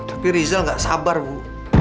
tapi rizal gak sabar bu